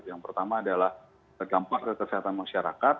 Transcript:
yang pertama adalah dampak ke kesehatan masyarakat